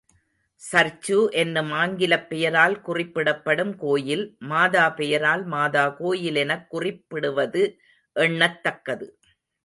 Church என்னும் ஆங்கிலப் பெயரால் குறிப்பிடப்படும் கோயில், மாதா பெயரால் மாதா கோயில் எனக் குறிப்பிடுவது எண்ணத் தக்கது.